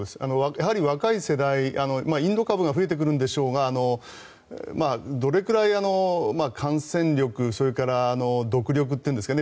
やはり若い世代インド株が増えてくるんでしょうがどれくらい感染力それから毒力というんですかね。